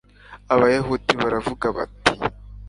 abayahudi baravuga bati